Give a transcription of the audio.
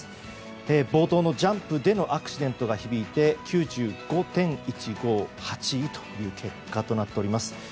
冒頭のジャンプでのアクシデントが響いて９５．１５８位となっています。